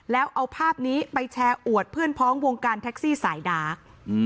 แล้วเอาภาพนี้ไปแชร์อวดเพื่อนพ้องวงการแท็กซี่สายดาร์ก